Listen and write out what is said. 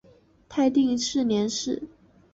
泰定四年事。